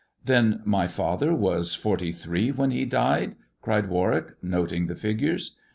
Then my father was forty three when he died," cried Warwick, noting the figures.